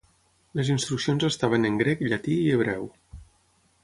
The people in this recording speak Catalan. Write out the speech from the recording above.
Les instruccions estaven en grec, llatí i hebreu.